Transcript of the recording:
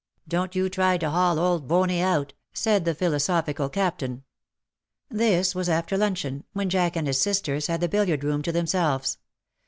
310 WE HAVE DONE WITH Don^t you try to haul old Bony out/' said the philosophical Captain. This was after luncheon, when Jack and his sisters had the billiard room to themselves.